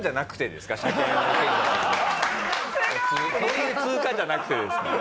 そういう通過じゃなくてですね？